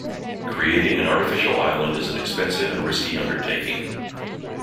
Creating an artificial island is an expensive and risky undertaking.